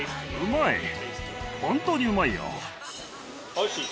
おいしい？